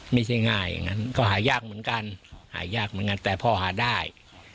ไม่ใช่ง่ายอย่างนั้นก็หายากเหมือนกันหายากเหมือนกันแต่พอหาได้